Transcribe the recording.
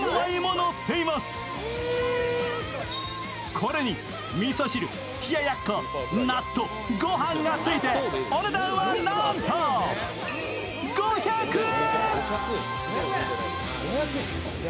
これに、みそ汁、冷や奴、納豆、御飯がついてお値段はなんと５００円。